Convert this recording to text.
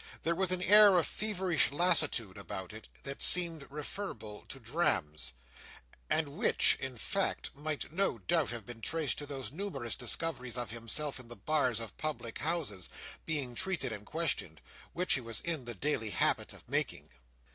There was an air of feverish lassitude about it, that seemed referable to drams; and, which, in fact, might no doubt have been traced to those numerous discoveries of himself in the bars of public houses, being treated and questioned, which he was in the daily habit of making.